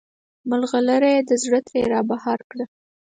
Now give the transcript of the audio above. مرغلره یې د زړه ترې رابهر کړه.